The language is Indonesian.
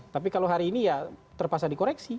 tapi kalau hari ini ya terpaksa dikoreksi